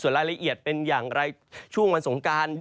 รายละเอียดเป็นอย่างไรช่วงวันสงการ